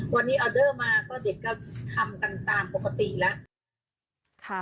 วันนี้ออเดอร์มาก็เด็กก็ทำกันตามปกติแล้ว